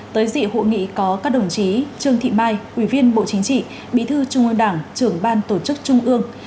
tới dị hội nghị có các đồng chí trương thị mai ubnd bí thư trung ương đảng trưởng ban tổ chức trung ương